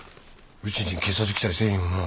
ウチに警察来たりせえへんよな。